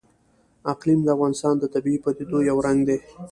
اقلیم د افغانستان د طبیعي پدیدو یو رنګ دی.